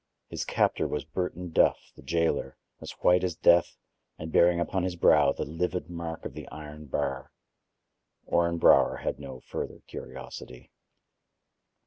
His captor was Burton Duff, the jailer, as white as death and bearing upon his brow the livid mark of the iron bar. Orrin Brower had no further curiosity.